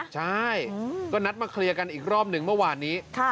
ใช่ก็นัดมาเคลียร์กันอีกรอบหนึ่งเมื่อวานนี้